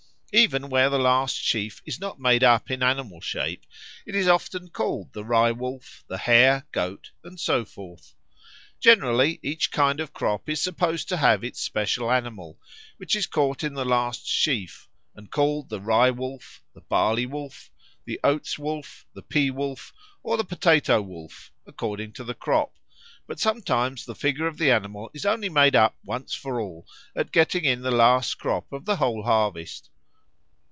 Even where the last sheaf is not made up in animal shape, it is often called the Rye wolf, the Hare, Goat, and so forth. Generally each kind of crop is supposed to have its special animal, which is caught in the last sheaf, and called the Rye wolf, the Barley wolf, the Oats wolf, the Pea wolf, or the Potato wolf, according to the crop; but sometimes the figure of the animal is only made up once for all at getting in the last crop of the whole harvest.